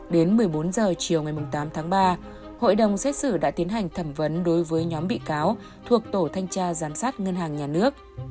đến một mươi bốn h chiều ngày tám tháng ba hội đồng xét xử đã tiến hành thẩm vấn đối với nhóm bị cáo thuộc tổ thanh tra giám sát ngân hàng nhà nước